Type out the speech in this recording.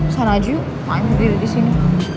sana aja yuk pak eng diri disini